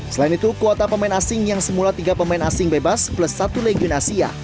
selain itu kuota pemain asing yang semula tiga pemain asing bebas plus satu legion asia